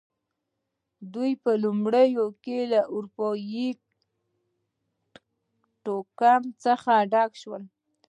دوی په لومړیو کې له اروپايي توکم څخه ډکې شوې.